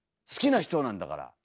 好きな人なんだから！